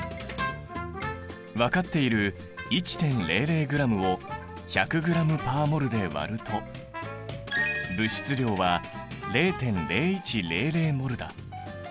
分かっている１．００ｇを１００ｇ／ｍｏｌで割ると物質量は０．０１００ｍｏｌだ。